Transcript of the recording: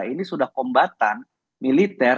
ini sudah kombatan militer